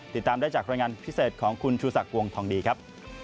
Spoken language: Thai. ติดตามได้จากรายงานพิเศษของคุณชูศักดิ์วงทองดีครับ